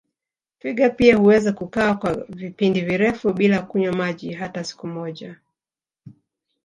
Twiga pia huweza kukaa kwa vipindi virefu bila kunywa maji hata siku moja